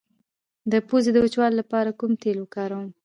د پوزې د وچوالي لپاره کوم تېل وکاروم؟